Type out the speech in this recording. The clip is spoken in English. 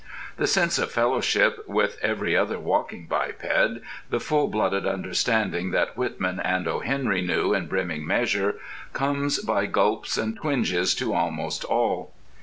The sense of fellowship with every other walking biped, the full blooded understanding that Whitman and O. Henry knew in brimming measure, comes by gulps and twinges to almost all.